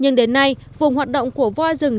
nhưng đến nay vùng hoạt động của voi rừng